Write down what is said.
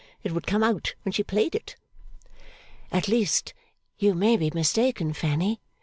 It would come out when she played it.' 'At least, you may be mistaken, Fanny.